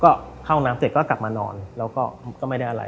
ก็เข้าน้ำเสร็จก็กลับมานอนแล้วก็ไม่ได้อะไร